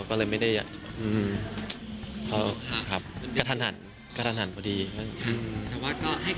ก็เลยไม่ได้อย่ากะทันหันเดี๋ยวก็จริง